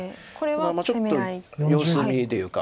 ちょっと様子見というか。